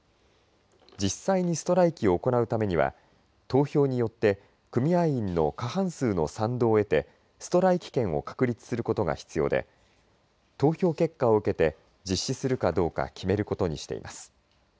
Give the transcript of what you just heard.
実際にストライキを行うためには投票によって組合員の過半数の賛同を得てストライキ権を確立することが必要で投票結果を受けて実施するかどうか決めることにしています。